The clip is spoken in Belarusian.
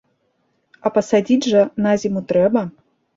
А пасадзіць жа на зіму трэба.